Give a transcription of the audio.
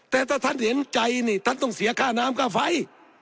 แต่ถ้าท่านเห็นใจนี่ท่านต้องเสียค่าน้ำค่าไฟ